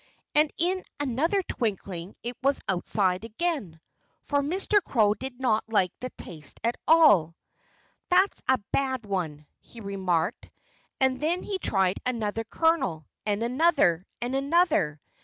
And in another twinkling it was outside again for Mr. Crow did not like the taste at all. "That's a bad one!" he remarked. And then he tried another kernel and another and another.